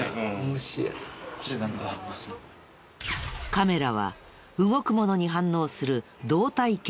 カメラは動くものに反応する動体検知式。